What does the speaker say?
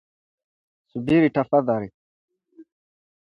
Subiri tafadhali